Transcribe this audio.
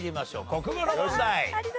国語の問題。